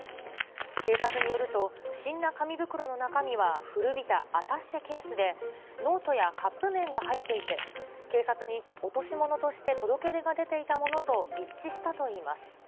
警察によると、不審な紙袋の中身は古びたアタッシェケースで、ノートやカップ麺が入っていて、警察に落とし物として届け出が出ていたものと一致したといいます。